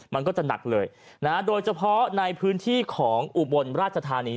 มันก็จะหนักเลยนะฮะโดยเฉพาะในพื้นที่ของอุบลราชธานี